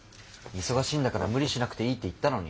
忙しいんだから無理しなくていいって言ったのに。